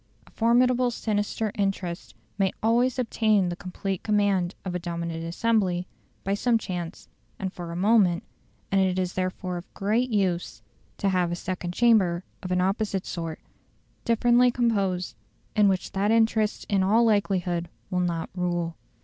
A formidable sinister interest may always obtain the complete command of a dominant assembly by some chance and for a moment, and it is therefore of great use to have a second chamber of an opposite sort, differently composed, in which that interest in all likelihood will not rule.